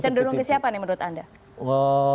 cenderung ke siapa nih menurut anda